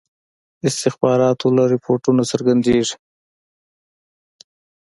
استخباراتو له رپوټونو څرګندیږي.